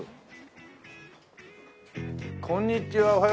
こんにちは。